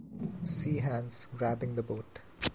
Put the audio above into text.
Sea hands grabbing the boat.